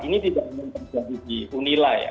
ini tidak hanya terjadi di unila ya